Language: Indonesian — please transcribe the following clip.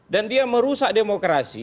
dan dia merusak demokrasi